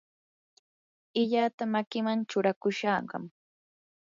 illata makiman churakushaqam.